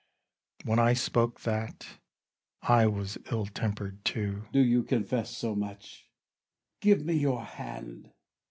Bru. When I spoke that I was ill temper'd too. Cas. Do you confess so much? Give me your hand.